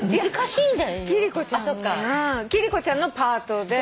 貴理子ちゃんが貴理子ちゃんのパートで。